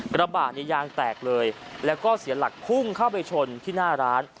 กระบะเนี่ยยางแตกเลยแล้วก็เสียหลักพุ่งเข้าไปชนที่หน้าร้าน